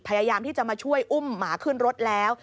พยายามที่จะมาช่วยอุ้มหมาขึ้นรถแล้ว